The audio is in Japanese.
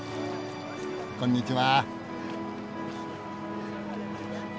こんにちは。